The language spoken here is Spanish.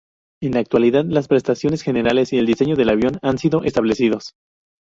En la actualidad, las prestaciones generales y el diseño del avión han sido establecidos.